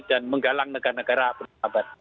dan menggalang negara negara penerbangan